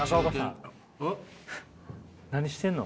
何してんの？